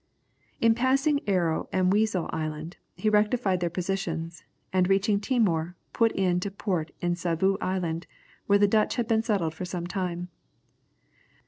In passing Arrow and Wesel Islands he rectified their positions, and reaching Timor, put into port in Savu Island, where the Dutch had been settled for some time.